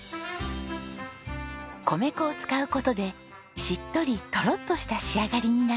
米粉を使う事でしっとりトロッとした仕上がりになるんです。